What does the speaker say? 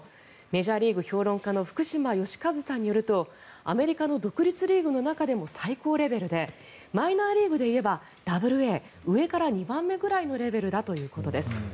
メジャーリーグ評論家の福島良一さんによるとアメリカの独立リーグの中でも最高レベルでマイナーリーグでいえば２Ａ上から２番目ぐらいのレベルだということです。